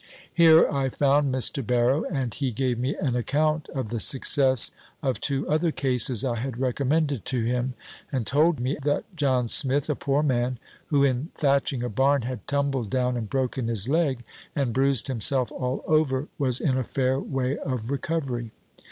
Here I found Mr. Barrow, and he gave me an account of the success of two other cases I had recommended to him; and told me, that John Smith, a poor man, who, in thatching a barn, had tumbled down, and broken his leg, and bruised himself all over, was in a fair way of recovery.